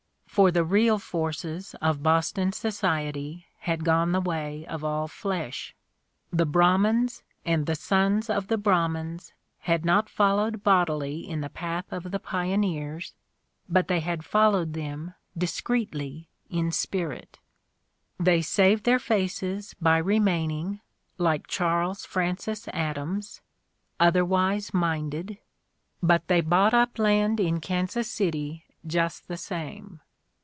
For the real forces of Boston society had gone the way of all flesh. The Brahmins and the sons of the Brahmins had not followed bodily in the path of the pioneers, but they had followed them, discreetly, in spirit ; they saved their faces by remaining, like Charles Francis Adams, "otherwise minded," but they bought up land in Kan 68 The Ordeal of Mark Twain sas City just the same.